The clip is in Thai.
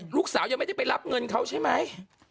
แต่ลูกสาวยังไม่ได้ไปรับเงินเขาใช่ไหม